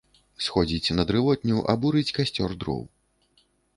Сходзіць на дрывотню абурыць касцёр дроў.